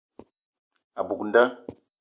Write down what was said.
A buk nda.